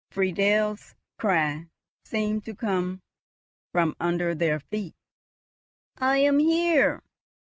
Friedel's cry seemed to come from under their feet. "I am here!